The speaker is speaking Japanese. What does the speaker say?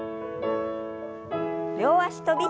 両脚跳び。